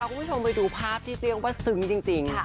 คุณผู้ชมไปดูภาพที่เรียกว่าซึ้งจริง